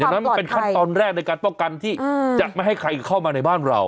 นั้นมันเป็นขั้นตอนแรกในการป้องกันที่จะไม่ให้ใครเข้ามาในบ้านเรา